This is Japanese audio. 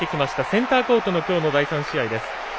センターコートのきょうの第３試合です。